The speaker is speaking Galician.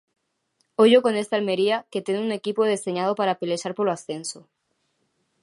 Ollo con este Almería que ten un equipo deseñado para pelexar polo ascenso.